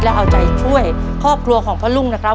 และเอาใจช่วยครอบครัวของพ่อลุงนะครับ